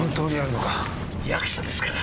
役者ですから。